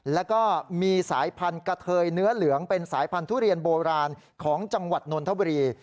แล้วก็มีสายพันธุ์กะเทยเนื้อเหลืองเป็นสายพันธุเรียนโบราณของจังหวัดนนทบุรี